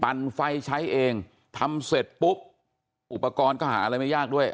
ไฟใช้เองทำเสร็จปุ๊บอุปกรณ์ก็หาอะไรไม่ยากด้วย